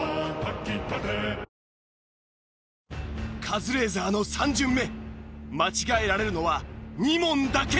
カズレーザーの３巡目間違えられるのは２問だけ。